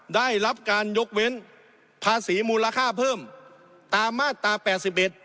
ได้รับการยกเว้นภาษีมูลค่าเพิ่มตามมาตราแปดสิบเอ็ด